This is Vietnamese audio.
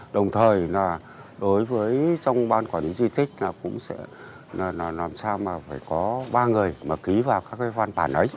đồng thời là đối với trong ban quản lý di tích là cũng sẽ làm sao mà phải có ba người mà ký vào các cái văn bản ấy